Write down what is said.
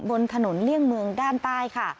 บนถนนเลี่ยงเมืองด้านใต้ค่ะ